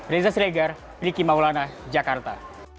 reza sregar ricky maulana jakarta